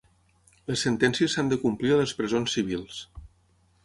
Les sentències s'han de complir a les presons civils.